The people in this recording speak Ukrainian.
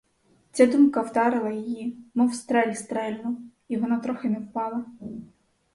Ця думка вдарила її, мов стрель стрельнув, і вона трохи не впала.